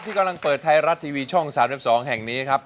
กำลังเปิดไทยรัฐทีวีช่อง๓๒แห่งนี้ครับ